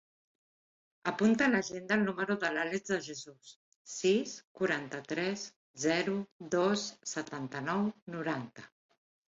Apunta a l'agenda el número de l'Àlex De Jesus: sis, quaranta-tres, zero, dos, setanta-nou, noranta.